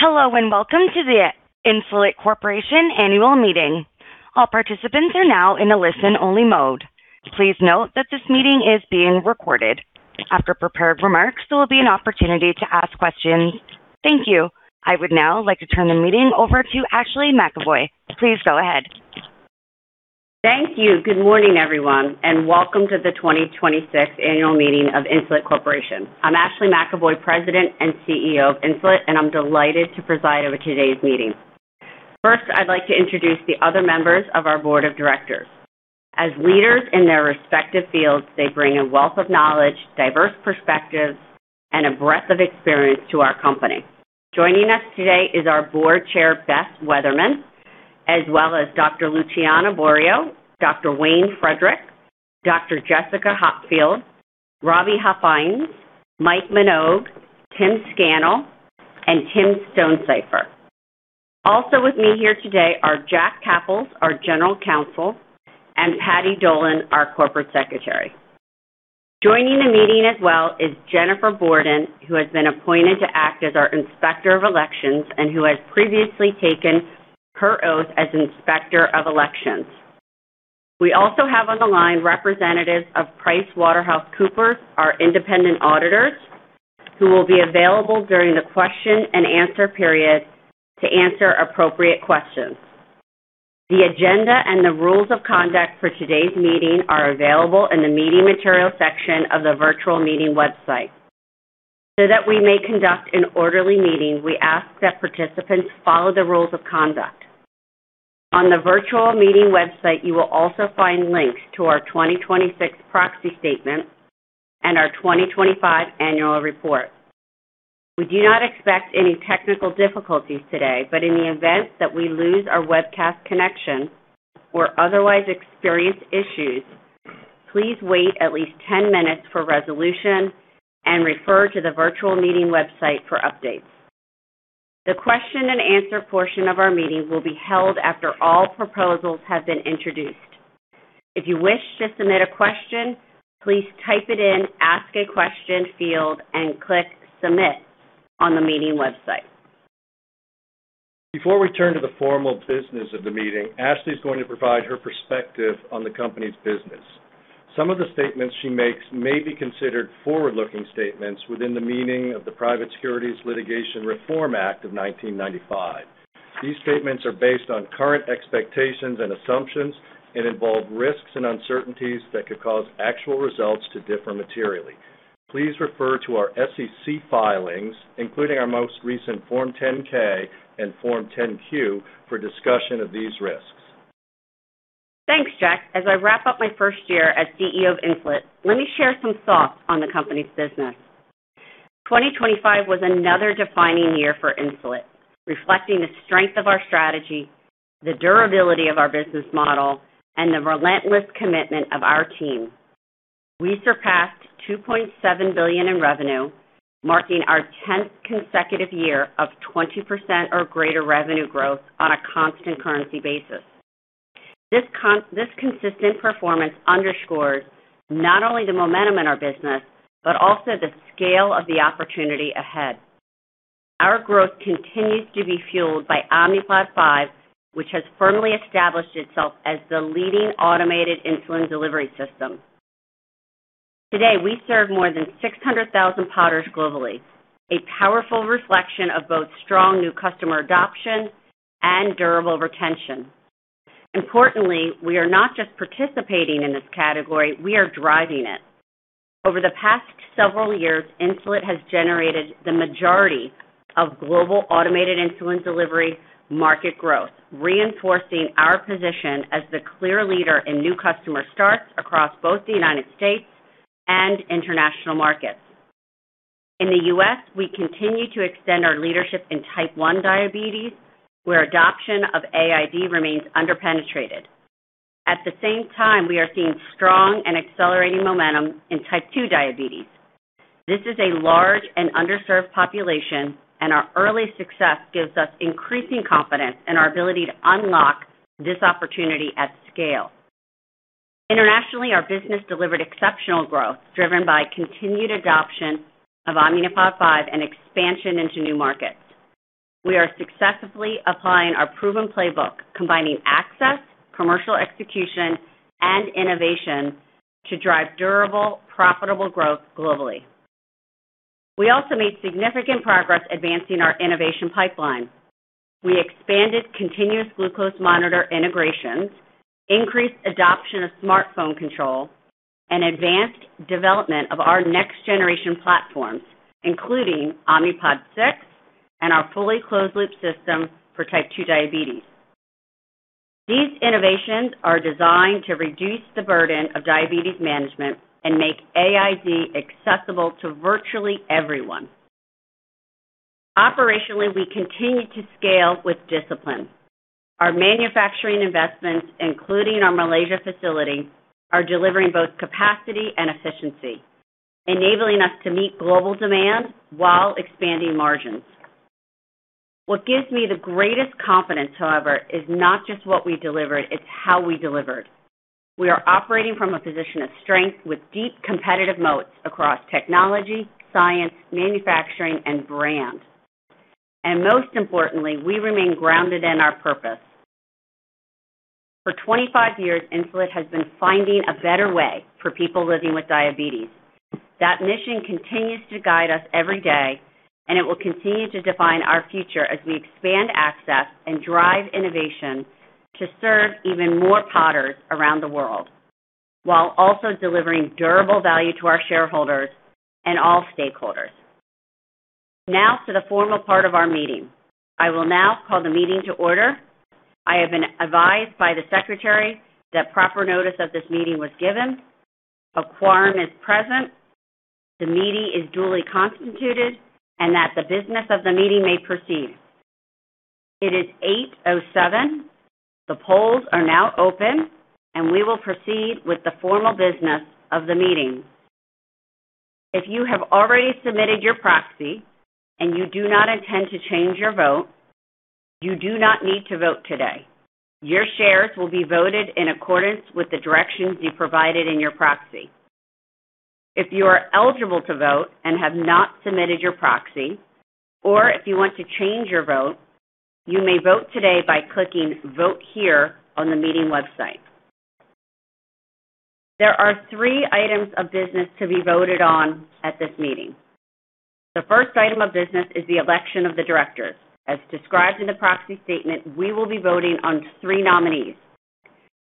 Hello and welcome to the Insulet Corporation Annual Meeting. All participants are now in a listen-only mode. Please note that this meeting is being recorded. After prepared remarks, there will be an opportunity to ask questions. Thank you. I would now like to turn the meeting over to Ashley McEvoy. Please go ahead. Thank you. Good morning, everyone, and welcome to the 2026 annual meeting of Insulet Corporation. I'm Ashley McEvoy, President and CEO of Insulet, and I'm delighted to preside over today's meeting. I'd like to introduce the other members of our Board of Directors. As leaders in their respective fields, they bring a wealth of knowledge, diverse perspectives, and a breadth of experience to our company. Joining us today is our Board Chair, Beth Weatherman, as well as Dr. Luciana Borio, Dr. Wayne Frederick, Dr. Jessica Hopfield, Roby Huffines, Mike Minogue, Tim Scannell, and Tim Stonesifer. Also with me here today are Jack Kapples, our General Counsel, and Patty Dolan, our Corporate Secretary. Joining the meeting as well is Jennifer Borden, who has been appointed to act as our Inspector of Elections and who has previously taken her oath as Inspector of Elections. We also have on the line representatives of PricewaterhouseCoopers, our independent auditors, who will be available during the question-and-answer period to answer appropriate questions. The agenda and the rules of conduct for today's meeting are available in the Meeting Materials section of the virtual meeting website. That we may conduct an orderly meeting, we ask that participants follow the rules of conduct. On the virtual meeting website, you will also find links to our 2026 proxy statement and our 2025 annual report. We do not expect any technical difficulties today, but in the event that we lose our webcast connection or otherwise experience issues, please wait at least 10 minutes for resolution and refer to the virtual meeting website for updates. The question-and-answer portion of our meeting will be held after all proposals have been introduced. If you wish to submit a question, please type it in Ask a Question field and click Submit on the meeting website. Before we turn to the formal business of the meeting, Ashley is going to provide her perspective on the company's business. Some of the statements she makes may be considered forward-looking statements within the meaning of the Private Securities Litigation Reform Act of 1995. These statements are based on current expectations and assumptions and involve risks and uncertainties that could cause actual results to differ materially. Please refer to our SEC filings, including our most recent Form 10-K and Form 10-Q, for discussion of these risks. Thanks, Jack. As I wrap up my first year as CEO of Insulet, let me share some thoughts on the company's business. 2025 was another defining year for Insulet, reflecting the strength of our strategy, the durability of our business model, and the relentless commitment of our team. We surpassed $2.7 billion in revenue, marking our 10th consecutive year of 20% or greater revenue growth on a constant currency basis. This consistent performance underscores not only the momentum in our business, but also the scale of the opportunity ahead. Our growth continues to be fueled by Omnipod 5, which has firmly established itself as the leading automated insulin delivery system. Today, we serve more than 600,000 Podders globally, a powerful reflection of both strong new customer adoption and durable retention. Importantly, we are not just participating in this category, we are driving it. Over the past several years, Insulet has generated the majority of global automated insulin delivery market growth, reinforcing our position as the clear leader in new customer starts across both the United States and international markets. In the U.S., we continue to extend our leadership in Type 1 diabetes, where adoption of AID remains underpenetrated. At the same time, we are seeing strong and accelerating momentum in Type 2 diabetes. This is a large and underserved population, and our early success gives us increasing confidence in our ability to unlock this opportunity at scale. Internationally, our business delivered exceptional growth driven by continued adoption of Omnipod 5 and expansion into new markets. We are successfully applying our proven playbook, combining access, commercial execution, and innovation to drive durable, profitable growth globally. We also made significant progress advancing our innovation pipeline. We expanded continuous glucose monitor integrations, increased adoption of smartphone control, and advanced development of our next generation platforms, including Omnipod 6 and our fully closed loop system for Type 2 diabetes. These innovations are designed to reduce the burden of diabetes management and make AID accessible to virtually everyone. Operationally, we continue to scale with discipline. Our manufacturing investments, including our Malaysia facility, are delivering both capacity and efficiency, enabling us to meet global demand while expanding margins. What gives me the greatest confidence, however, is not just what we delivered, it's how we delivered. We are operating from a position of strength with deep competitive moats across technology, science, manufacturing, and brand. Most importantly, we remain grounded in our purpose. For 25 years, Insulet has been finding a better way for people living with diabetes. That mission continues to guide us every day, and it will continue to define our future as we expand access and drive innovation to serve even more Podders around the world, while also delivering durable value to our shareholders and all stakeholders. Now to the formal part of our meeting. I will now call the meeting to order. I have been advised by the secretary that proper notice of this meeting was given, a quorum is present, the meeting is duly constituted, and that the business of the meeting may proceed. It is 8:07 A.M. The polls are now open, and we will proceed with the formal business of the meeting. If you have already submitted your proxy and you do not intend to change your vote, you do not need to vote today. Your shares will be voted in accordance with the directions you provided in your proxy. If you are eligible to vote and have not submitted your proxy, or if you want to change your vote, you may vote today by clicking Vote Here on the meeting website. There are three items of business to be voted on at this meeting. The first item of business is the election of the directors. As described in the proxy statement, we will be voting on three nominees,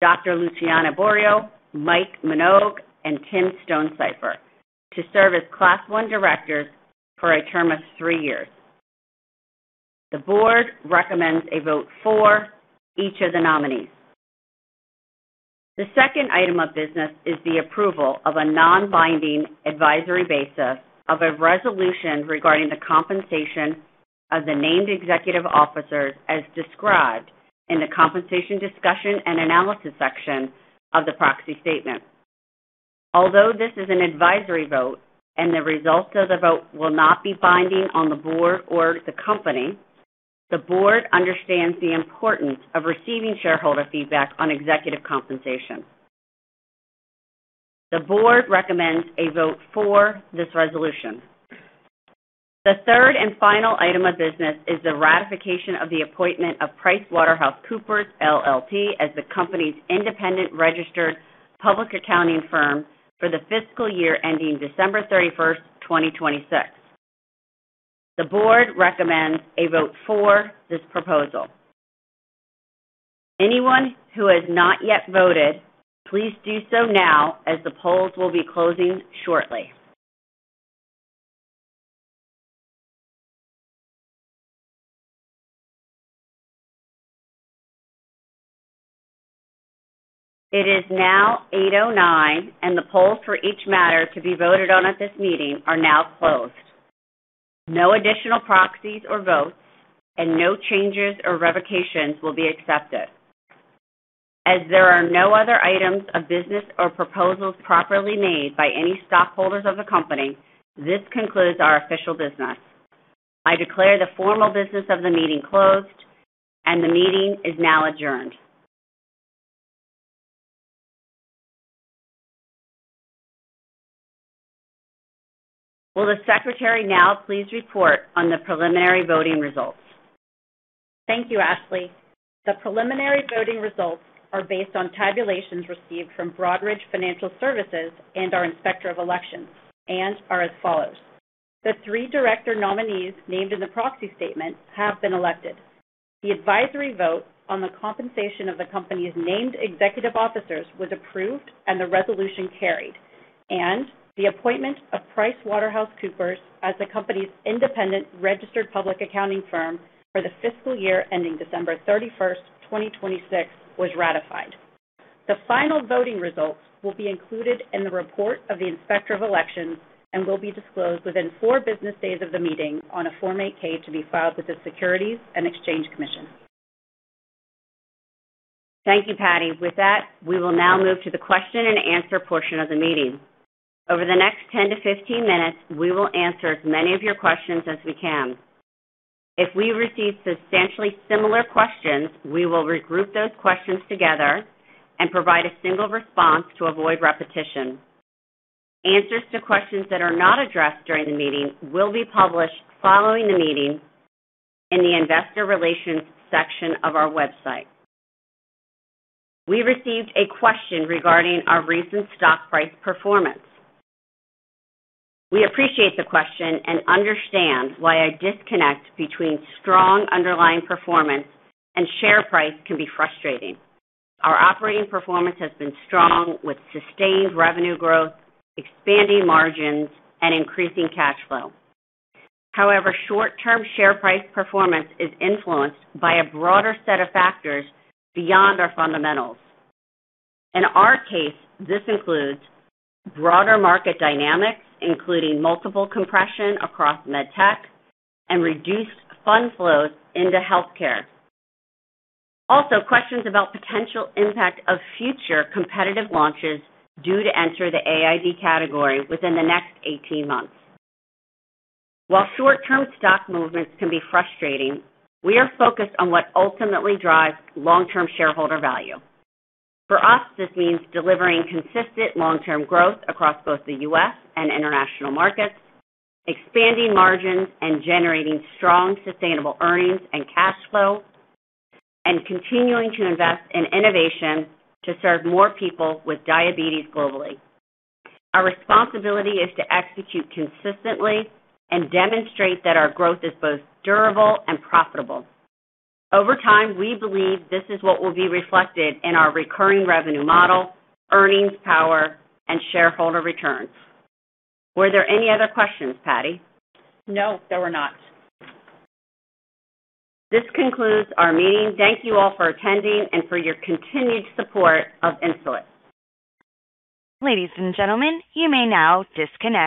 Dr. Luciana Borio, Mike Minogue, and Tim Stonesifer, to serve as Class 1 directors for a term of three years. The board recommends a vote for each of the nominees. The second item of business is the approval of a non-binding advisory basis of a resolution regarding the compensation of the named executive officers as described in the compensation discussion and analysis section of the proxy statement. Although this is an advisory vote and the results of the vote will not be binding on the board or the company, the board understands the importance of receiving shareholder feedback on executive compensation. The board recommends a vote for this resolution. The third and final item of business is the ratification of the appointment of PricewaterhouseCoopers LLP, as the company's independent registered public accounting firm for the fiscal year ending December 31st, 2026. The board recommends a vote for this proposal. Anyone who has not yet voted, please do so now, as the polls will be closing shortly. It is now 8:09, and the polls for each matter to be voted on at this meeting are now closed. No additional proxies or votes and no changes or revocations will be accepted. As there are no other items of business or proposals properly made by any stockholders of the company, this concludes our official business. I declare the formal business of the meeting closed, and the meeting is now adjourned. Will the secretary now please report on the preliminary voting results? Thank you, Ashley. The preliminary voting results are based on tabulations received from Broadridge Financial Services and our Inspector of Elections and are as follows. The three director nominees named in the proxy statement have been elected. The advisory vote on the compensation of the company's named executive officers was approved and the resolution carried. The appointment of PricewaterhouseCoopers as the company's independent registered public accounting firm for the fiscal year ending December 31st, 2026, was ratified. The final voting results will be included in the report of the Inspector of Elections and will be disclosed within four business days of the meeting on a Form 8-K to be filed with the Securities and Exchange Commission. Thank you, Patty. With that, we will now move to the question-and-answer portion of the meeting. Over the next 10-15 minutes, we will answer as many of your questions as we can. If we receive substantially similar questions, we will regroup those questions together and provide a single response to avoid repetition. Answers to questions that are not addressed during the meeting will be published following the meeting in the investor relations section of our website. We received a question regarding our recent stock price performance. We appreciate the question and understand why a disconnect between strong underlying performance and share price can be frustrating. Our operating performance has been strong with sustained revenue growth, expanding margins, and increasing cash flow. However, short-term share price performance is influenced by a broader set of factors beyond our fundamentals. In our case, this includes broader market dynamics, including multiple compression across MedTech and reduced fund flows into healthcare. Questions about potential impact of future competitive launches due to enter the AID category within the next 18 months. While short-term stock movements can be frustrating, we are focused on what ultimately drives long-term shareholder value. For us, this means delivering consistent long-term growth across both the U.S. and international markets, expanding margins, and generating strong, sustainable earnings and cash flow, and continuing to invest in innovation to serve more people with diabetes globally. Our responsibility is to execute consistently and demonstrate that our growth is both durable and profitable. Over time, we believe this is what will be reflected in our recurring revenue model, earnings power, and shareholder returns. Were there any other questions, Patty? No, there were not. This concludes our meeting. Thank you all for attending and for your continued support of Insulet. Ladies and gentlemen, you may now disconnect.